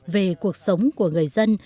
về cuộc sống của người dân